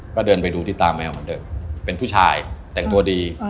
ก็เดินไปดูที่ตาแมวเหมือนเดิมเป็นผู้ชายแต่งตัวดี